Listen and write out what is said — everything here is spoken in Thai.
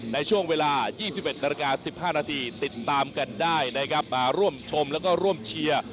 ในช่วงเวลา๒๑นาฬิกา๑๕นาทีติดตามกันได้นะครับมาร่วมชมแล้วก็ร่วมเชียร์